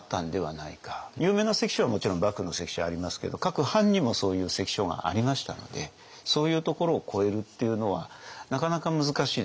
有名な関所はもちろん幕府の関所はありますけど各藩にもそういう関所がありましたのでそういうところを越えるっていうのはなかなか難しいですから。